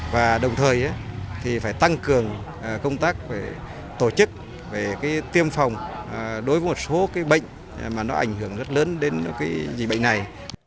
và đồng thời thì phải tăng cường công tác về tổ chức về tiêm phòng đối với một số bệnh mà nó ảnh hưởng rất lớn đến cái dịch bệnh này